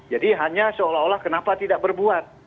jadi hanya seolah olah kenapa tidak berbuat